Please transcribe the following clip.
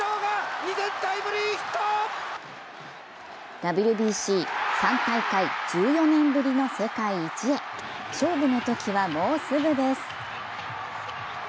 ＷＢＣ、３大会１４年ぶりの世界一へ、勝負の時はもうすぐです。